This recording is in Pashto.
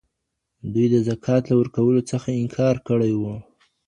دوی د زکات له ورکولو څخه انکار کړی و.